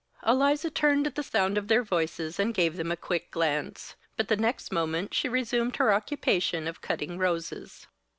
Eliza turned at the sound of their voices and gave them a quick glance. But the next moment she resumed her occupation of cutting roses.